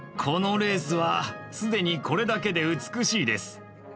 このレースは既にこれだけで美しいです。